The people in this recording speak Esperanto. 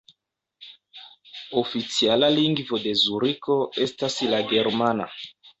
Oficiala lingvo de Zuriko estas la germana.